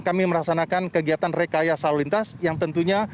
kami melaksanakan kegiatan rekayasa lalu lintas yang tentunya